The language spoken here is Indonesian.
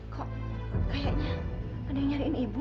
kok kayaknya ada yang nyariin ibu